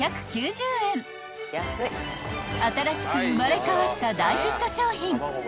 ［新しく生まれ変わった大ヒット商品］